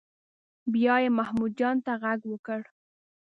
بیا یې محمود جان ته غږ وکړ.